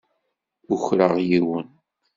Ukreɣ yiwen.